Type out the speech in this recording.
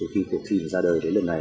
khi cuộc thi ra đời đến lần này